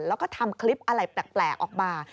แล้วก็ทำคลิปอะไรแปลกออกมา